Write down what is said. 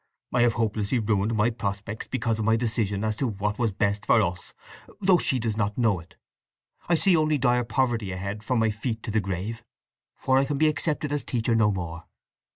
I have hopelessly ruined my prospects because of my decision as to what was best for us, though she does not know it; I see only dire poverty ahead from my feet to the grave; for I can be accepted as teacher no more.